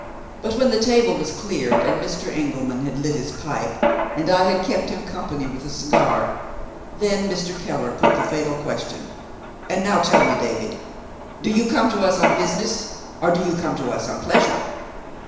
But when the table was cleared, and Mr. Engelman had lit his pipe, and I had kept him company with a cigar, then Mr. Keller put the fatal question. "And now tell me, David, do you come to us on business or do you come to us on pleasure?"